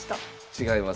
違います。